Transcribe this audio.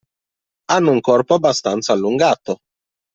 Hanno un corpo abbastanza allungato.